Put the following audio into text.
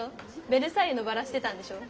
ベルサイユのばらしてたんでしょ？